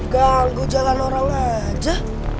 ganggu jalan orang aja